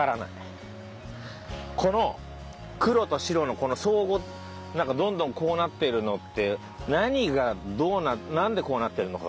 この黒と白のこの相互なんかどんどんこうなってるのって何がどうなんでこうなってるのか。